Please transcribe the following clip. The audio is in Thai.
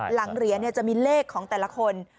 หลังเหรียญเนี่ยจะมีเลขของแต่ละคน